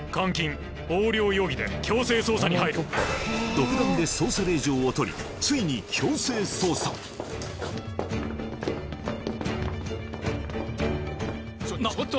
独断で捜査令状をとりついに強制捜査ちょっと！